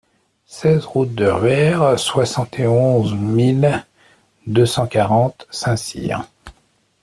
seize route de Ruère, soixante et onze mille deux cent quarante Saint-Cyr